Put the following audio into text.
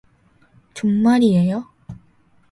정말이에요?